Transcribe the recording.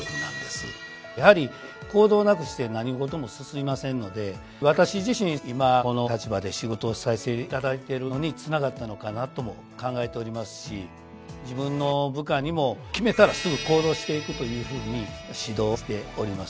やはり行動なくして何事も進みませんので私自身今この立場で仕事をさせていただいてるのにつながったのかなとも考えておりますし自分の部下にも決めたらすぐ行動していくというふうに指導しております。